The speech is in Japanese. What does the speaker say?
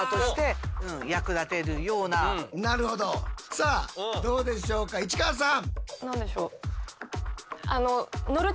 さあどうでしょうか市川さん！